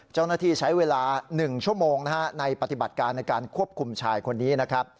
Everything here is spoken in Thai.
เจ้าหน้าที่ใช้เวลา๑ชั่วโมงนะฮะในปฏิบัติการในการควบคุมชายคนนี้นะครับ